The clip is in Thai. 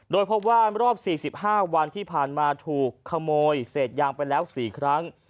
โดยพบว่ารอบ๔๕วันที่ผ่านมาถูกขโมยเศษยางไปแล้ว๔ครั้ง